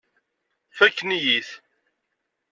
Fakken-iyi-t.